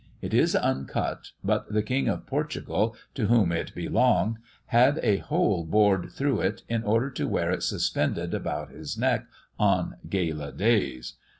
It is uncut; but the king of Portugal, to whom it belonged, had a hole bored through it, in order to wear it suspended about his neck on gala days.